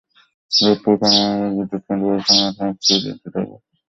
রূপপুর পারমাণবিক বিদ্যুৎকেন্দ্র পরিচালনার জন্য এটি দায়বদ্ধ।